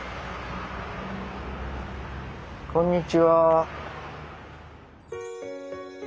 こんにちは。